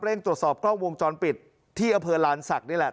ตรวจสอบกล้องวงจรปิดที่อำเภอลานศักดิ์นี่แหละ